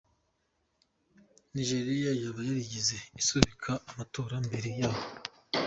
Nigeria yaba yarigeze isubika amatora mbere yaho? .